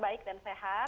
baik dan sehat